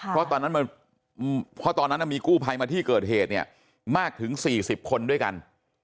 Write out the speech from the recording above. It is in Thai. เพราะตอนนั้นมีกู้ภัยมาที่เกิดเหตุเนี่ยมากถึง๔๐คนด้วยกัน